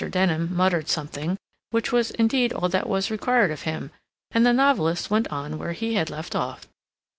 Denham muttered something, which was indeed all that was required of him, and the novelist went on where he had left off.